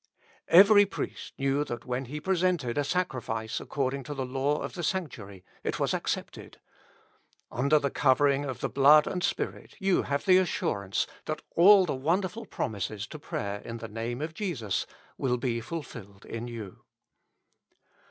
Every priest knew that when he presented a sacrifice according to the law of the sa?ictuary, it was accepted : under the covering of the Blood and Spirit you have the assurance that all the wonderful promises to prayer in the Name of Jesus will be fulfilled in you.